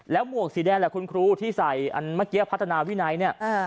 หมวกสีแดงแหละคุณครูที่ใส่อันเมื่อกี้พัฒนาวินัยเนี่ย